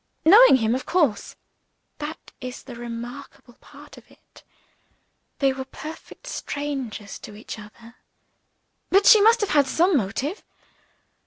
"Knowing him, of course?" "That is the remarkable part of it: they were perfect strangers to each other." "But she must have had some motive."